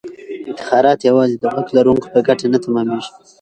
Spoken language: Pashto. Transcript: افتخارات یوازې د واک لرونکو په ګټه نه تمامیږي.